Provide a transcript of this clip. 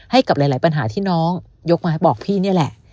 ให้กับหลายปัญหาที่น้องยกมาให้บอกพี่นี่แหละ